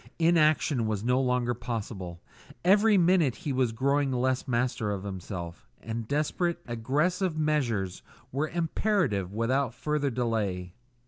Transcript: Inaction was no longer possible; every minute he was growing less master of himself, and desperate, aggressive measures were imperative without further delay.